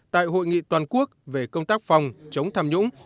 tại hội nghị toàn quốc về công tác phòng chống tham nhũng